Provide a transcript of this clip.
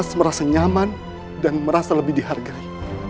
merasa nyaman dan merasa lebih dihargai